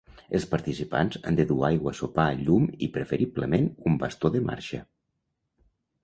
Els participants han de dur aigua, sopar, llum, i preferiblement un bastó de marxa.